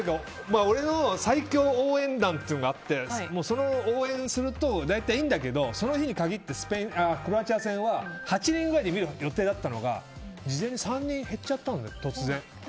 俺の最強応援団というのがあってそれで応援するといいんだけどその日に限ってクロアチア戦は８人ぐらいで見る予定だったのが事前に３人減っちゃったの。